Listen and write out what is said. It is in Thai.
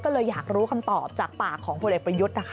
ก็เลยอยากรู้คำตอบจากปากของพลเอกประยุทธ์นะคะ